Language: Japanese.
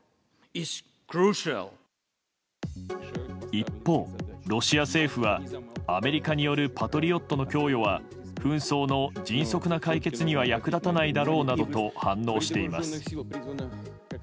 一方、ロシア政府はアメリカによるパトリオットの供与は紛争の迅速な解決には役立たないだろうなどと反応しています。